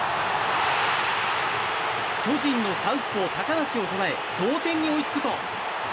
巨人のサウスポー、高橋を捉え同点に追いつくと。